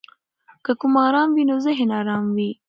که کور آرام وي نو ذهن آرام وي.